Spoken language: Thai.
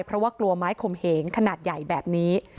เพราะว่ากลัวไม้ขมเหงขนาดใหญ่แบบนี้